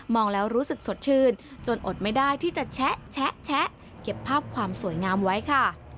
แล้วรู้สึกสดชื่นจนอดไม่ได้ที่จะแชะเก็บภาพความสวยงามไว้ค่ะ